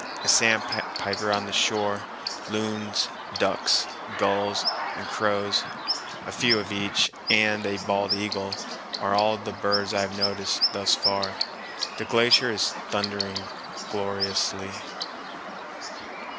A sandpiper on the shore, loons, ducks, gulls, and crows, a few of each, and a bald eagle are all the birds I have noticed thus far. The glacier is thundering gloriously.